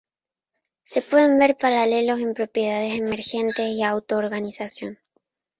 Se pueden ver paralelos en propiedades emergentes y autoorganización.